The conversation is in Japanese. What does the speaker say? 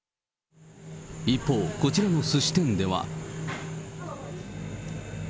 一方、こちらのすし店では。